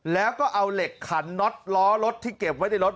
แล้วก็เอาเหล็กขันน็อตล้อรถที่เก็บไว้ในรถ